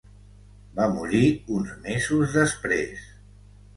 Va morir uns mesos després.